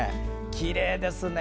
きれいですね。